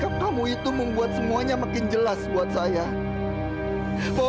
dan sikap kamu itu membuat semuanya makin jelas buat saya